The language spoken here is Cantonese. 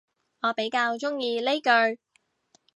我比較鍾意呢句